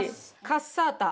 カッサータ。